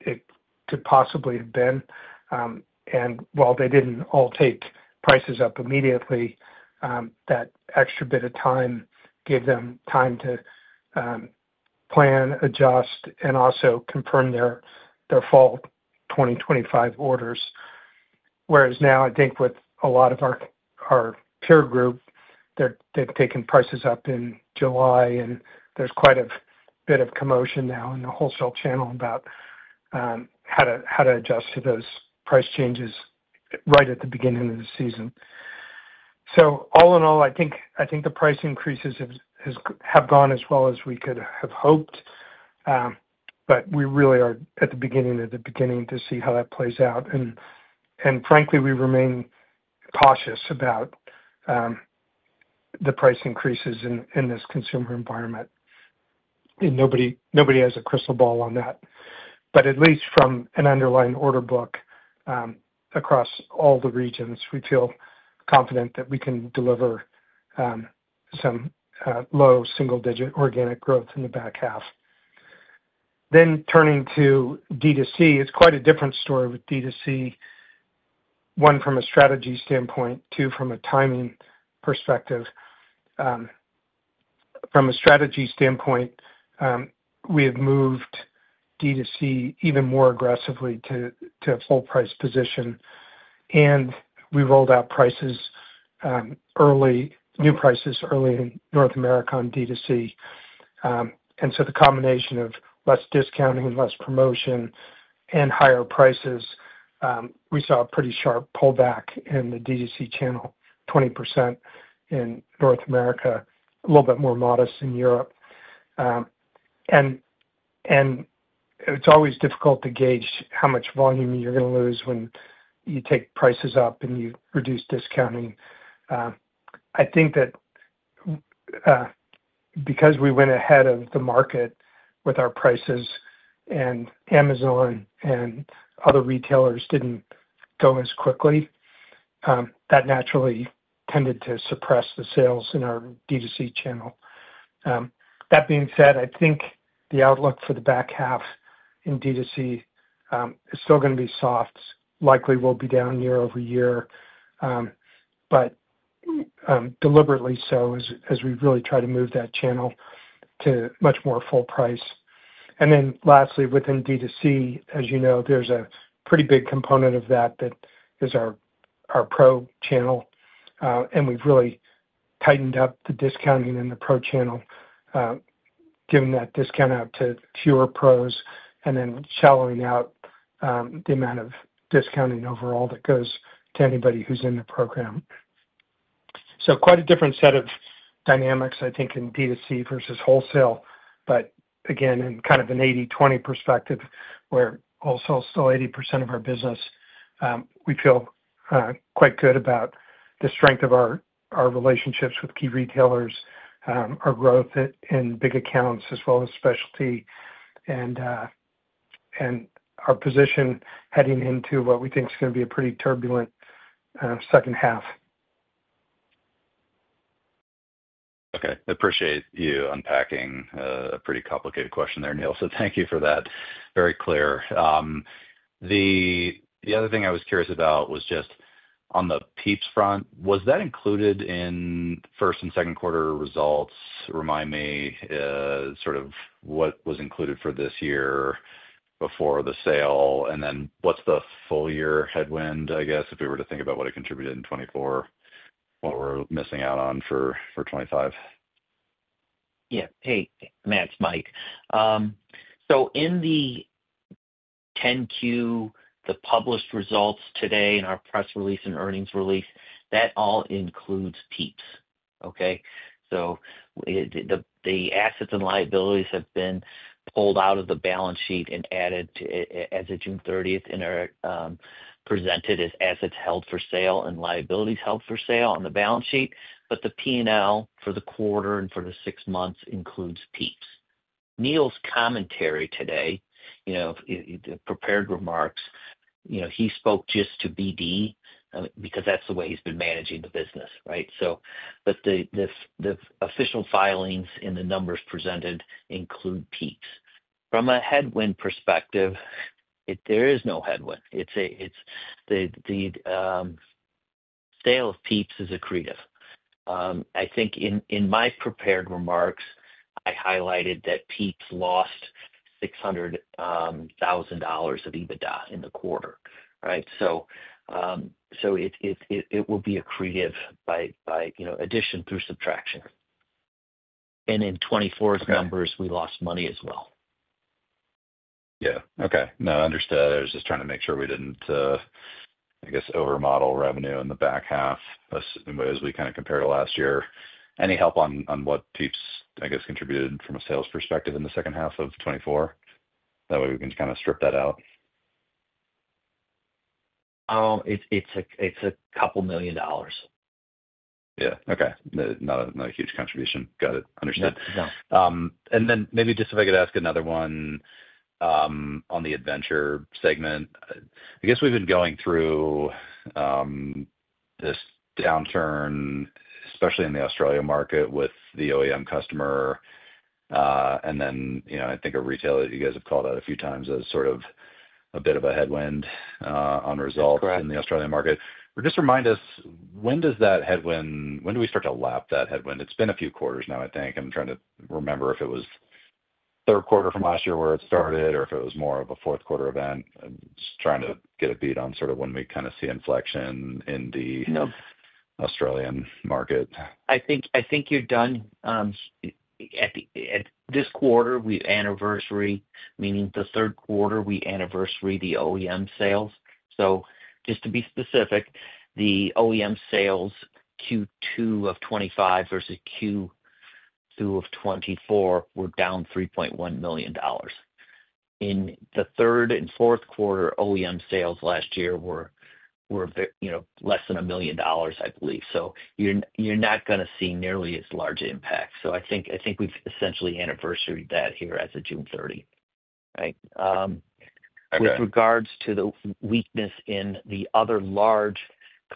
it could possibly have been. While they didn't all take prices up immediately, that extra bit of time gave them time to plan, adjust, and also confirm their fall 2025 orders. Whereas now, I think with a lot of our peer group, they've taken prices up in July, and there's quite a bit of commotion now in the wholesale channel about how to adjust to those price changes right at the beginning of the season. All in all, I think the price increases have gone as well as we could have hoped. We really are at the beginning of the beginning to see how that plays out. Frankly, we remain cautious about the price increases in this consumer environment. Nobody has a crystal ball on that. At least from an underlying order book across all the regions, we feel confident that we can deliver some low single-digit organic growth in the back half. Turning to D2C, it's quite a different story with D2C, one from a strategy standpoint, two from a timing perspective. From a strategy standpoint, we have moved D2C even more aggressively to a full-price position. We rolled out prices early, new prices early in North America on D2C. The combination of less discounting, less promotion, and higher prices, we saw a pretty sharp pullback in the D2C channel, 20% in North America, a little bit more modest in Europe. It's always difficult to gauge how much volume you're going to lose when you take prices up and you reduce discounting. I think that because we went ahead of the market with our prices and Amazon and other retailers did not go as quickly, that naturally tended to suppress the sales in our D2C channel. That being said, I think the outlook for the back half in D2C is still going to be soft, likely will be down year-over-year, but deliberately so as we really try to move that channel to much more full price. Lastly, within D2C, as you know, there's a pretty big component of that that is our pro channel. We've really tightened up the discounting in the pro channel, giving that discount out to fewer pros and then shallowing out the amount of discounting overall that goes to anybody who's in the program. Quite a different set of dynamics, I think, in D2C versus wholesale. Again, in kind of an 80/20 perspective, where wholesale is still 80% of our business, we feel quite good about the strength of our relationships with key retailers, our growth in big accounts, as well as specialty, and our position heading into what we think is going to be a pretty turbulent second half. Okay. I appreciate you unpacking a pretty complicated question there, Neil. Thank you for that. Very clear. The other thing I was curious about was just on the PIEPS front, was that included in first and second quarter results? Remind me sort of what was included for this year before the sale. What's the full year headwind, I guess, if we were to think about what it contributed in 2024, what we're missing out on for 2025? Yeah. Hey, Matt, it's Mike. In the 10-Q, the published results today in our press release and earnings release, that all includes PIEPS. The assets and liabilities have been pulled out of the balance sheet and added as of June 30th, and are presented as assets held for sale and liabilities held for sale on the balance sheet. The P&L for the quarter and for the six months includes PIEPS. Neil's commentary today, the prepared remarks, he spoke just to BD because that's the way he's been managing the business, right? The official filings and the numbers presented include PIEPS. From a headwind perspective, there is no headwind. The sale of PIEPS is accretive. I think in my prepared remarks, I highlighted that PIEPS lost $600,000 of EBITDA in the quarter, right? It will be accretive by, you know, addition through subtraction. In 2024's numbers, we lost money as well. Yeah. Okay. No, I understood. I was just trying to make sure we didn't, I guess, over-model revenue in the back half as we kind of compare to last year. Any help on what PIEPS Snow Safety, I guess, contributed from a sales perspective in the second half of 2024? That way we can kind of strip that out. It's a couple million dollars. Yeah, okay. Not a huge contribution. Got it. Understood. Yeah. No. Maybe just if I could ask another one on the Adventure segment. I guess we've been going through this downturn, especially in the Australia market with the OEM customer. I think a retailer that you guys have called out a few times as sort of a bit of a headwind on results in the Australian market. Just remind us, when does that headwind, when do we start to lap that headwind? It's been a few quarters now, I think. I'm trying to remember if it was the third quarter from last year where it started or if it was more of a fourth quarter event. I'm just trying to get a beat on sort of when we kind of see inflection in the Australian market. I think you're done. At this quarter, we anniversary, meaning the third quarter, we anniversary the OEM sales. Just to be specific, the OEM sales Q2 of 2025 versus Q2 of 2024 were down $3.1 million. In the third and fourth quarter, OEM sales last year were less than $1 million, I believe. You're not going to see nearly as large impact. I think we've essentially anniversaried that here as of June 30th, right? With regards to the weakness in the other large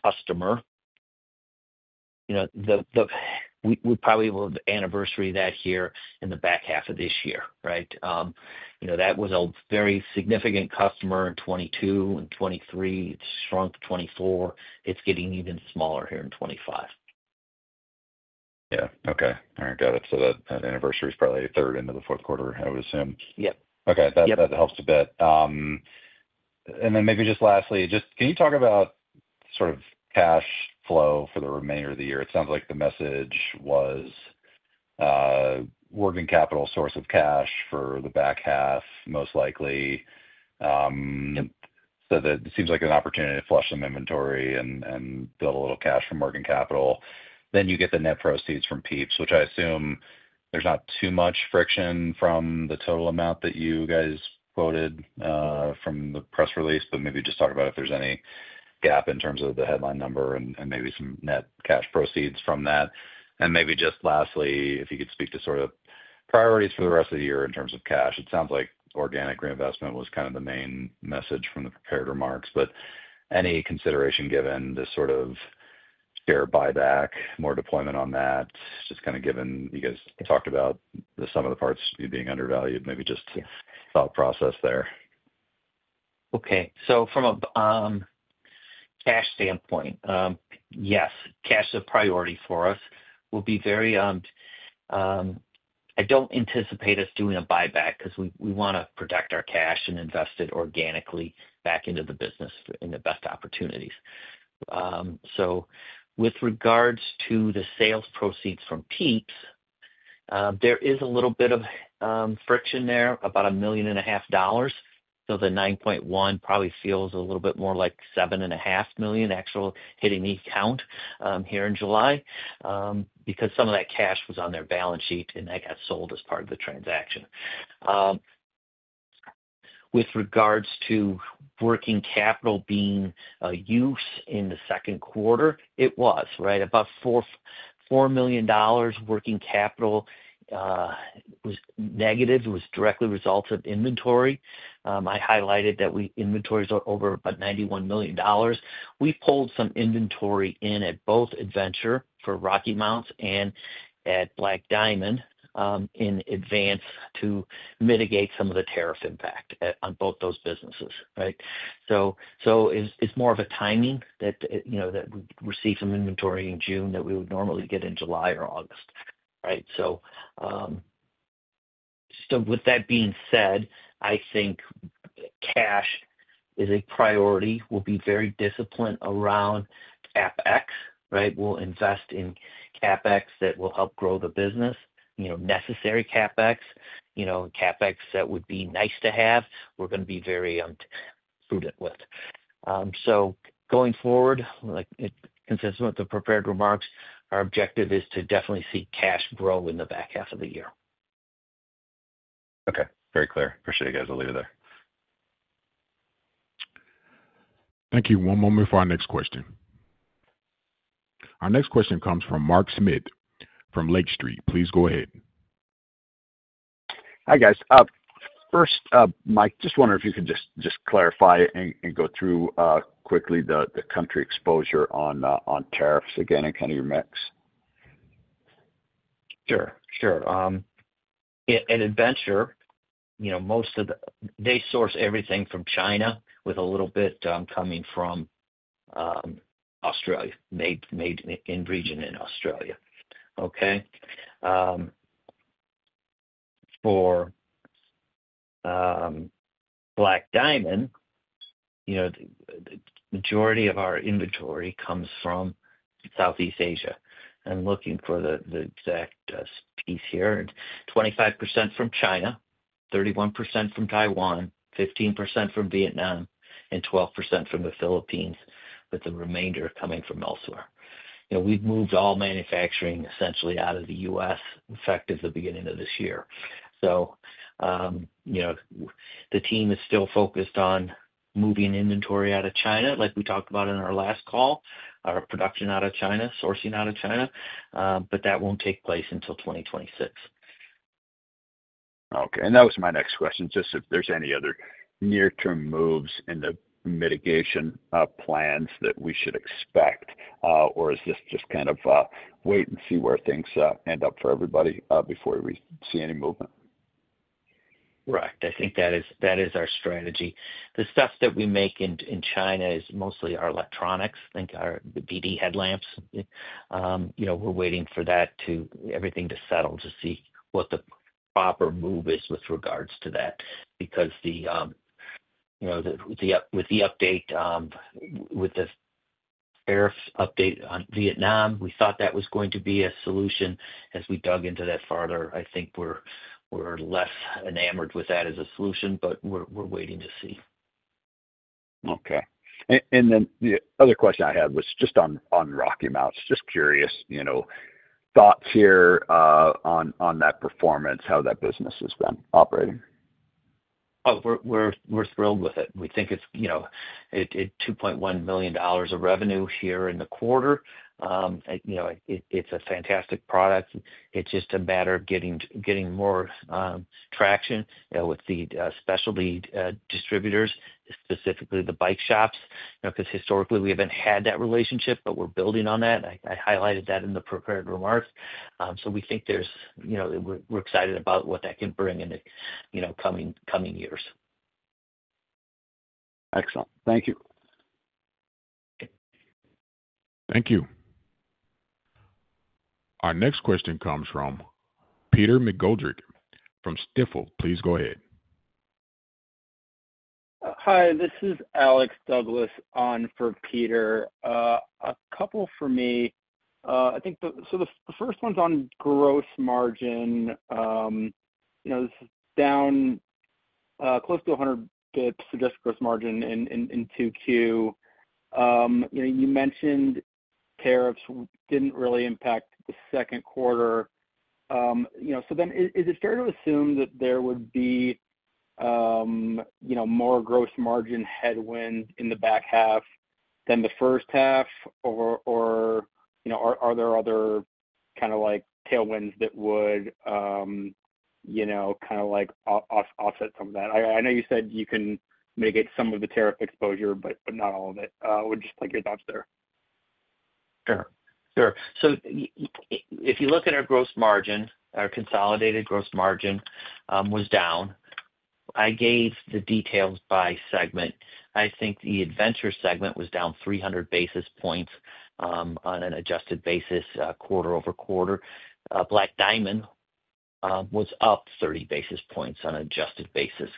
customer, we probably will anniversary that here in the back half of this year, right? That was a very significant customer in 2022 and 2023. It's shrunk 2024. It's getting even smaller here in 2025. Okay. All right. Got it. That anniversary is probably a third into the fourth quarter, I would assume. Yep. Okay. That helps a bit. Maybe just lastly, can you talk about sort of cash flow for the remainder of the year? It sounds like the message was working capital, source of cash for the back half, most likely. That seems like an opportunity to flush some inventory and build a little cash from working capital. You get the net proceeds from PIEPS, which I assume there's not too much friction from the total amount that you guys quoted from the press release, but maybe just talk about if there's any gap in terms of the headline number and maybe some net cash proceeds from that. Maybe just lastly, if you could speak to sort of priorities for the rest of the year in terms of cash. It sounds like organic reinvestment was kind of the main message from the prepared remarks. Any consideration given to sort of share buyback, more deployment on that, just kind of given you guys talked about some of the parts being undervalued, maybe just thought process there. Okay. From a cash standpoint, yes, cash is a priority for us. We'll be very, I don't anticipate us doing a buyback because we want to protect our cash and invest it organically back into the business in the best opportunities. With regards to the sales proceeds from PIEPS, there is a little bit of friction there, about $1.5 million and a half dollars. The $9.1 million probably feels a little bit more like $7.5 million actual hitting the account here in July because some of that cash was on their balance sheet and that got sold as part of the transaction. With regards to working capital being a use in the second quarter, it was, right? About $4 million working capital was negative. It was directly a result of inventory. I highlighted that inventory is over about $91 million. We pulled some inventory in at both Adventure for RockyMounts and at Black Diamond in advance to mitigate some of the tariff impact on both those businesses, right? It's more of a timing that, you know, that we receive some inventory in June that we would normally get in July or August, right? With that being said, I think cash is a priority. We'll be very disciplined around CapEx, right? We'll invest in CapEx that will help grow the business, you know, necessary CapEx, you know, CapEx that would be nice to have, we're going to be very prudent with. Going forward, like consistent with the prepared remarks, our objective is to definitely see cash grow in the back half of the year. Okay. Very clear. Appreciate you guys. I'll leave it there. Thank you. One moment for our next question. Our next question comes from Mark Smith from Lake Street. Please go ahead. Hi, guys. First, Mike, just wondering if you could just clarify and go through quickly the country exposure on tariffs again and kind of your mix. Sure. At Adventure, you know, they source everything from China with a little bit coming from Australia, made in region in Australia. For Black Diamond, you know, the majority of our inventory comes from Southeast Asia. I'm looking for the exact piece here. 25% from China, 31% from Taiwan, 15% from Vietnam, and 12% from the Philippines, with the remainder coming from elsewhere. We've moved all manufacturing essentially out of the U.S. effective the beginning of this year. The team is still focused on moving inventory out of China, like we talked about in our last call, our production out of China, sourcing out of China, but that won't take place until 2026. Okay. That was my next question. If there's any other near-term moves in the mitigation plans that we should expect, or is this just kind of wait and see where things end up for everybody before we see any movement? Right. I think that is our strategy. The stuff that we make in China is mostly our electronics, like the BD headlamps. We're waiting for everything to settle to see what the proper move is with regards to that. With the update, with the tariffs update on Vietnam, we thought that was going to be a solution. As we dug into that farther, I think we're less enamored with that as a solution, but we're waiting to see. Okay. The other question I had was just on RockyMounts. Just curious, you know, thoughts here on that performance, how that business has been operating. Oh, we're thrilled with it. We think it's $2.1 million of revenue here in the quarter. It's a fantastic product. It's just a matter of getting more traction with the specialty distributors, specifically the bike shops, because historically, we haven't had that relationship, but we're building on that. I highlighted that in the prepared remarks. We think there's, you know, we're excited about what that can bring in the coming years. Excellent. Thank you. Our next question comes from Peter McGoldrick from Stifel. Please go ahead. Hi. This is Alex Douglas on for Peter. A couple for me. The first one's on gross margin. This is down close to 100 bps for just gross margin in Q2. You mentioned tariffs didn't really impact the second quarter. Is it fair to assume that there would be more gross margin headwind in the back half than the first half? Are there other kind of tailwinds that would offset some of that? I know you said you can mitigate some of the tariff exposure, but not all of it. I would just like your thoughts there. Sure. If you look at our gross margin, our consolidated gross margin was down. I gave the details by segment. I think the Adventure segment was down 300 basis points on an adjusted basis, quarter-over-quarter. Black Diamond was up 30 basis points on an adjusted basis.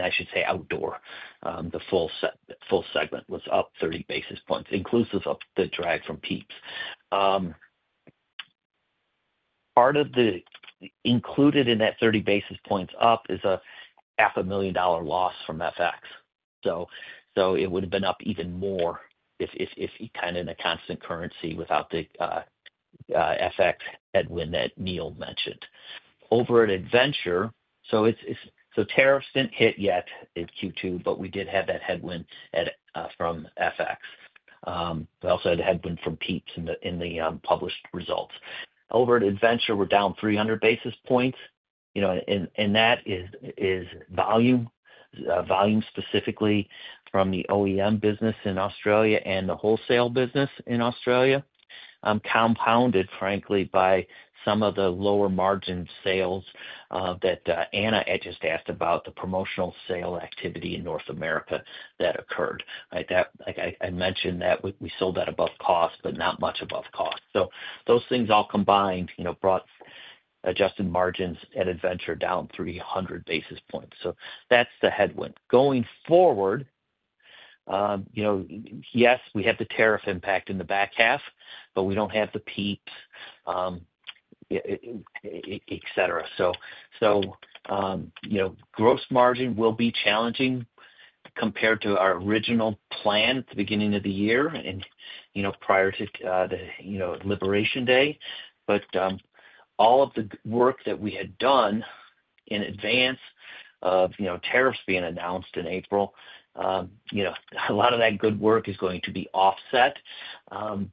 I should say Outdoor. The full segment was up 30 basis points, inclusive of the drag from PIEPS. Part of the included in that 30 basis points up is a $0.5 million loss from FX. It would have been up even more if you counted in a constant currency without the FX headwind that Neil mentioned. Over at Adventure, tariffs did not hit yet in Q2, but we did have that headwind from FX. We also had a headwind from PIEPS in the published results. Over at Adventure, we are down 300 basis points. That is volume, volume specifically from the OEM business in Australia and the wholesale business in Australia, compounded, frankly, by some of the lower margin sales that Anna had just asked about, the promotional sale activity in North America that occurred. I mentioned that we sold that above cost, but not much above cost. Those things all combined brought adjusted margins at Adventure down 300 basis points. That is the headwind. Going forward, yes, we have the tariff impact in the back half, but we do not have the PIEPS, etc. Gross margin will be challenging compared to our original plan at the beginning of the year and prior to the Liberation Day. All of the work that we had done in advance of tariffs being announced in April, a lot of that good work is going to be offset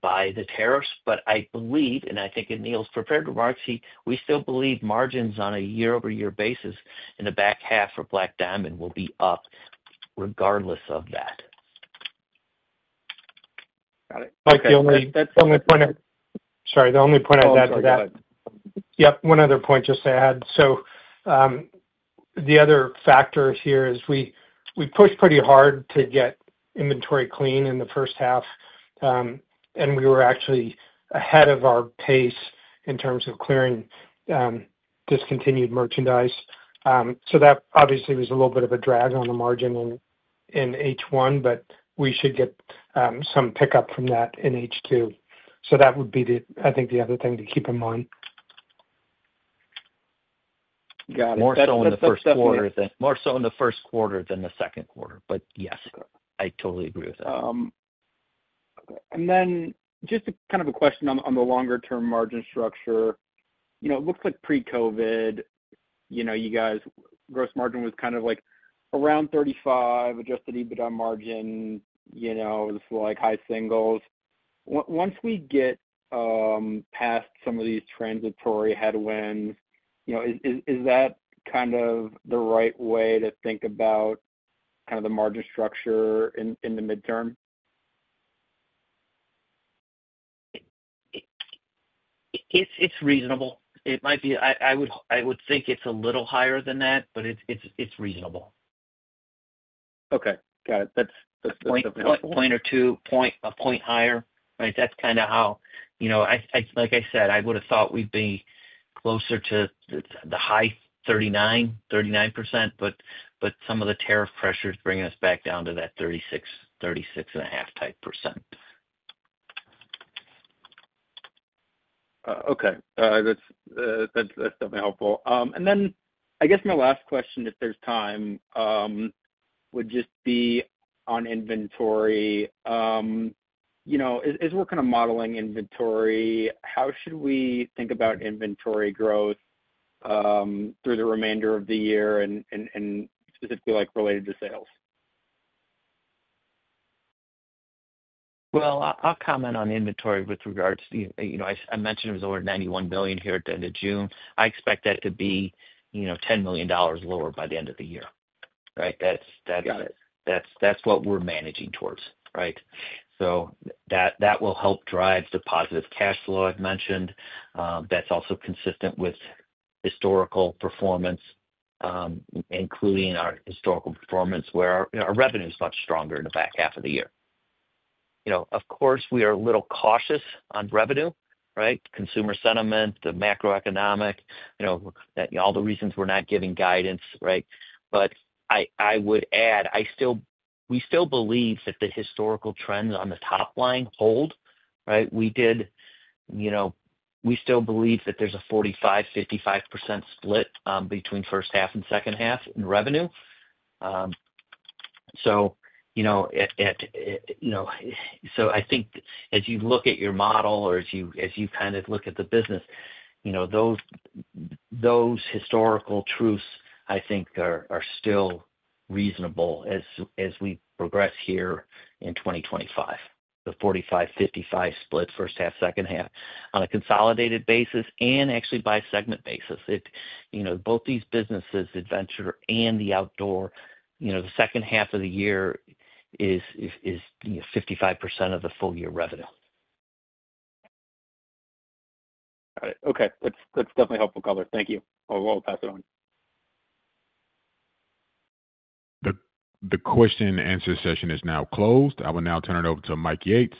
by the tariffs. I believe, and I think in Neil's prepared remarks, we still believe margins on a year-over-year basis in the back half for Black Diamond will be up regardless of that. Got it. Mike, that's the only point I'd add to that. One other point just to add. The other factor here is we pushed pretty hard to get inventory clean in the first half. We were actually ahead of our pace in terms of clearing discontinued merchandise. That obviously was a little bit of a drag on the margin in H1, but we should get some pickup from that in H2. That would be, I think, the other thing to keep in mind. Got it. More so in the first quarter than the second quarter, but yes, I totally agree with that. Just a kind of a question on the longer-term margin structure. You know, it looks like pre-COVID, you know, you guys, gross margin was kind of like around 35%, adjusted EBITDA margin, you know, it was like high single. Once we get past some of these transitory headwinds, you know, is that kind of the right way to think about kind of the margin structure in the midterm? It's reasonable. I would think it's a little higher than that, but it's reasonable. Okay, got it. That's the point or two point, a point higher, right? That's kind of how, you know, like I said, I would have thought we'd be closer to the high 39%, 39%, but some of the tariff pressure is bringing us back down to that 36%, 36.5% type percent. Okay. That's definitely helpful. I My last question, if there's time, would just be on inventory. As we're kind of modeling inventory, how should we think about inventory growth through the remainder of the year, and specifically like related to sales? I'll comment on inventory with regards to, you know, I mentioned it was over $91 million here at the end of June. I expect that to be $10 million lower by the end of the year. That's what we're managing towards, right? That will help drive the positive cash flow I've mentioned. That's also consistent with historical performance, including our historical performance where our revenue is much stronger in the back half of the year. Of course, we are a little cautious on revenue, right? Consumer sentiment, the macroeconomic, you know, all the reasons we're not giving guidance, right? I would add, we still believe that the historical trends on the top line hold, right? We did, you know, we still believe that there's a 45%-55% split between first half and second half in revenue. At, you know, so I think as you look at your model or as you kind of look at the business, you know, those historical truths, I think, are still reasonable as we progress here in 2025. The 45%-55% split, first half, second half, on a consolidated basis and actually by a segment basis. Both these businesses, the Adventure and the Outdoor, the second half of the year is 55% of the full year revenue. Got it. Okay. That's definitely helpful colors. Thank you. I'll roll it, pass it on. The question-and-answer session is now closed. I will now turn it over to Mike Yates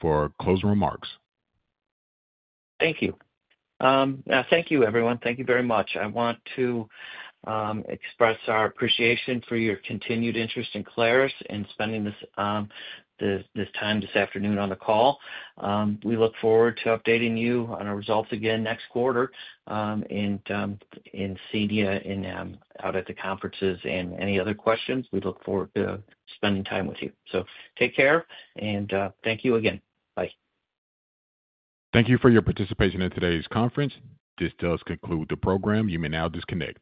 for closing remarks. Thank you, everyone. Thank you very much. I want to express our appreciation for your continued interest in Clarus and spending this time this afternoon on the call. We look forward to updating you on our results again next quarter and seeing you out at the conferences and any other questions. We look forward to spending time with you. Take care and thank you again. Bye. Thank you for your participation in today's conference. This does conclude the program. You may now disconnect.